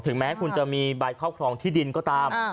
แม้คุณจะมีใบครอบครองที่ดินก็ตาม